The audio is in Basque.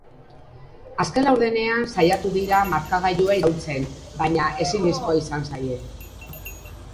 Azken laurdenean saiatu dira markagailua iraultzen baina ezinezkoa izan zaie.